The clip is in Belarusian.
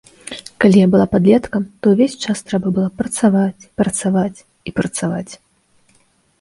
Калі я была падлеткам, то ўвесь час трэба было працаваць, працаваць і працаваць.